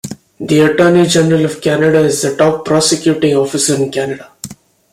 The Attorney General of Canada is the top prosecuting officer in Canada.